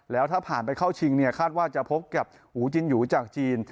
แล้วถ้าผ่านไปเข้าชิงเนี่ยคาดว่าจะพบกับอูจินยูจากจีน